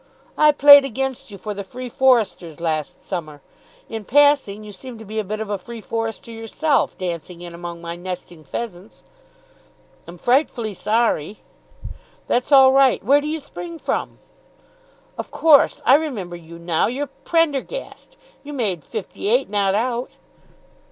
"I played against you, for the Free Foresters last summer. In passing, you seem to be a bit of a free forester yourself, dancing in among my nesting pheasants." "I'm frightfully sorry." "That's all right. Where do you spring from?" "Of course I remember you now. You're Prendergast. You made fifty eight not out."